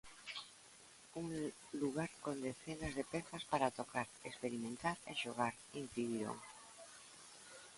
"Un lugar con decenas de pezas para tocar, experimentar e xogar", incidiron.